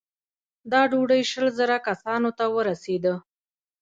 دا ډوډۍ شل زره کسانو ته رسېده.